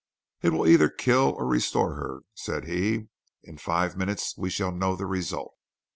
"It will either kill or restore her," said he. "In five minutes we shall know the result."